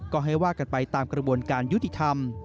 ก็ให้ว่ากันไปตามกระบวนการยุติธรรม